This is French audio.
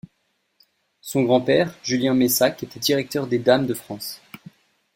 Son grand-père, Julien Messac, était directeur des Dames de France.